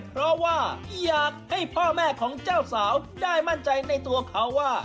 เพราะว่าอยากให้พ่อแม่ของเจ้าสาวได้มั่นใจในตัวเขาว่า